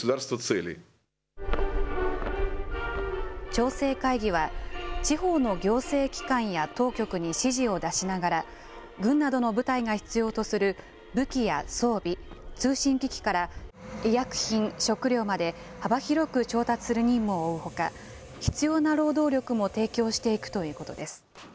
調整会議は、地方の行政機関や当局に指示を出しながら、軍などの部隊が必要とする武器や装備、通信機器から医薬品、食料まで幅広く調達する任務を負うほか、必要な労働力も提供していくということです。